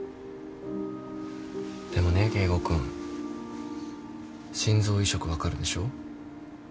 でもね圭吾君心臓移植分かるでしょ？